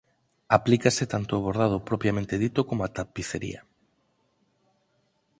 Aplícase tanto ao bordado propiamente dito como á tapicería.